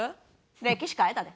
歴史変えたで。